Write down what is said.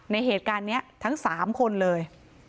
ในเหตุการณ์นี้ทั้ง๓คนเลย